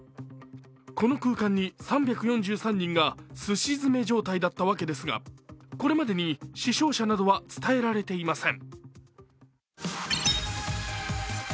この空間で３４３人がすし詰め状態だったわけですが、これまでに死傷者などは伝えられていません。